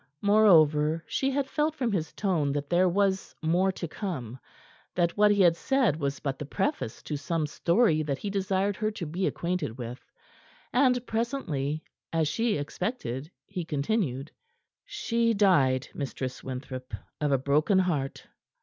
Moreover, she had felt from his tone that there was more to come; that what he had said was but the preface to some story that he desired her to be acquainted with. And presently, as she expected, he continued. "She died, Mistress Winthrop, of a broken heart.